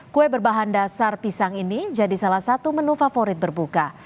kue berbahan dasar pisang ini jadi salah satu menu favorit berbuka